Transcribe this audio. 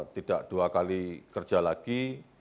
tidak dua kali kerja lagi